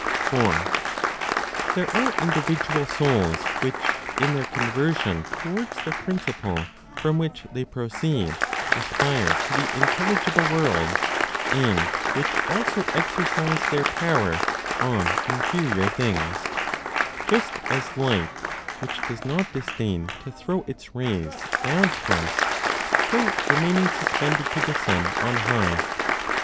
4. There are individual souls which, in their conversion towards the principle from which they proceed, aspire to the intelligible world, and which also exercise their power on inferior things, just as light, which does not disdain to throw its rays down to us though remaining suspended to the sun on high.